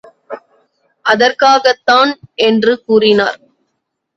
அதற்காகத்தான் என்று கூறினார்.